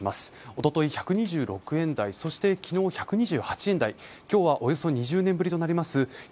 おととい１２６円台そして昨日１２８円台今日はおよそ２０年ぶりとなります